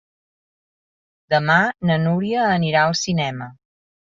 Demà na Núria anirà al cinema.